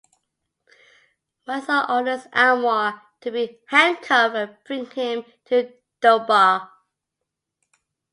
Wazir orders Anwar to be handcuffed and bring him in Durbar.